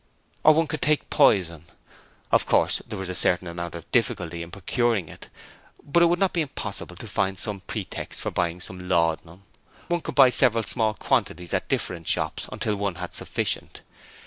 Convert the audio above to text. Or one could take poison. Of course, there was a certain amount of difficulty in procuring it, but it would not be impossible to find some pretext for buying some laudanum: one could buy several small quantities at different shops until one had sufficient.